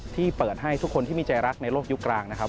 ที่เปิดให้ทุกคนที่มีใจรักในโลกยุคกลางนะครับ